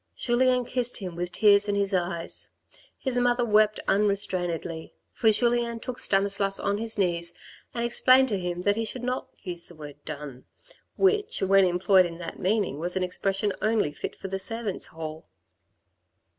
Julien kissed him with tears in his eyes. His mother wept unrestrainedly, for Julien took Stanislas on his knees and explained to him that he should not use the word " done " which, when employed in that meaning was an expression only fit for the servants' hall.